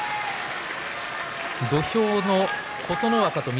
土俵の琴ノ若と翠